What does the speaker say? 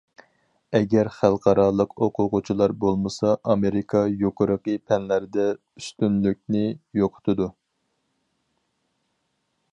ئەگەر خەلقئارالىق ئوقۇغۇچىلار بولمىسا، ئامېرىكا يۇقىرىقى پەنلەردە ئۈستۈنلۈكنى يوقىتىدۇ.